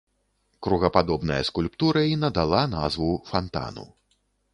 Кругападобная скульптура і надала назву фантану.